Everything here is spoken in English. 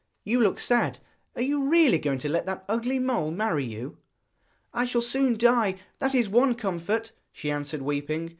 'You look sad; are you really going to let that ugly mole marry you?' 'I shall soon die, that is one comfort,' she answered weeping.